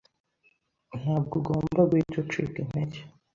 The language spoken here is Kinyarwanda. ntabwo ugomba guhita ucika intege